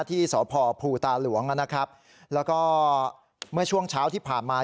ที่สพภูตาหลวงนะครับแล้วก็เมื่อช่วงเช้าที่ผ่านมา